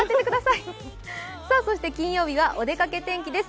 金曜日はお出かけ天気です。